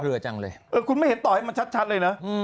คุณไม่เห็นต่อให้เห็นขึ้นมาชัดเลยนะ